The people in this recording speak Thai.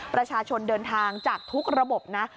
ประชาชนเดินทางจากทุกระบบนะ